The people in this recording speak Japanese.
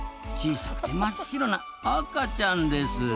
小さくて真っ白な赤ちゃんです。